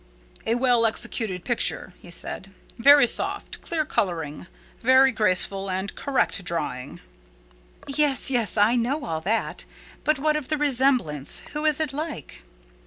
"A well executed picture," he said; "very soft, clear colouring; very graceful and correct drawing." "Yes, yes; I know all that. But what of the resemblance? Who is it like?"